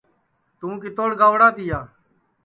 توں کِتوڑ گئوڑا تیا